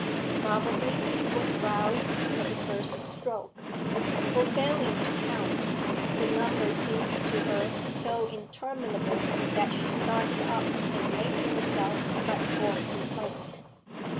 Probably she was roused at the first stroke, for, failing to count, the number seemed to her so interminable that she started up and made to herself fretful complaint.